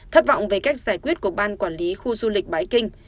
thất vọng về cách giải quyết của ban quản lý khu du lịch bãi kinh